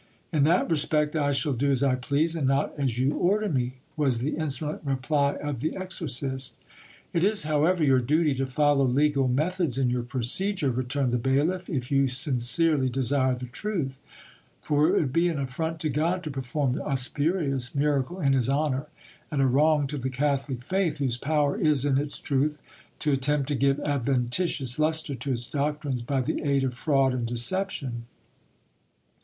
"In that respect I shall do as I please, and not as you order me," was the insolent reply of the exorcist. "It is, however, your duty to follow legal methods in your procedure," returned the bailiff, "if you sincerely desire the truth; for it would be an affront to God to perform a spurious miracle in His honour, and a wrong to the Catholic faith, whose power is in its truth, to attempt to give adventitious lustre to its doctrines by the aid of fraud and deception."